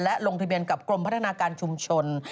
และลงทะเบียนกับกรมพัฒนาการชุมชน